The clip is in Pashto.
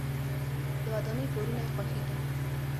د ودانۍ کارونه یې خوښیږي.